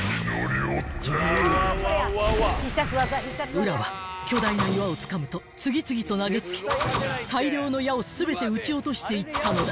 ［温羅は巨大な岩をつかむと次々と投げ付け大量の矢を全て撃ち落としていったのだ］